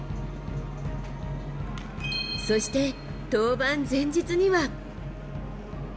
そして登板前日には。